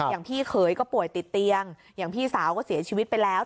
อย่างพี่เขยก็ป่วยติดเตียงอย่างพี่สาวก็เสียชีวิตไปแล้ว